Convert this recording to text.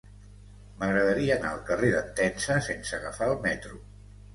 M'agradaria anar al carrer d'Entença sense agafar el metro.